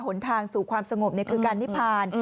นทางสู่ความสงบคือการนิพาน